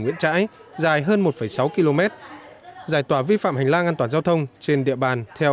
nguyễn trãi dài hơn một sáu km giải tỏa vi phạm hành lang an toàn giao thông trên địa bàn theo